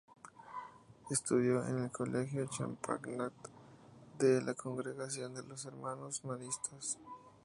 Estudió en el Colegio Champagnat de la Congregación de los Hermanos Maristas.